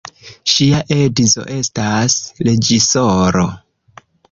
Ŝia edzo estas reĝisoro.